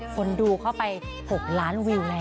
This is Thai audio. คนดูเข้าไป๖ล้านวิวแล้ว